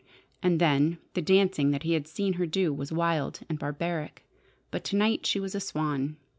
And then, the dancing that he had seen her do was wild and barbaric. But to night she was a swan.